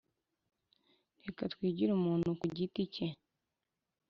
reka twigire umuntu ku giti cye